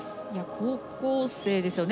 高校生ですよね